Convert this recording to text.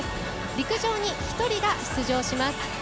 陸上に１人が出場します。